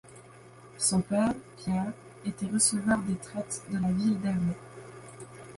Son père, Pierre, était receveur des traites de la ville d'Ernée.